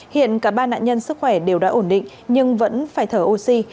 hiện cả ba nạn nhân sức khỏe đều đã ổn định nhưng vẫn phải thở oxy